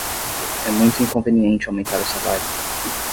É muito inconveniente aumentar o salário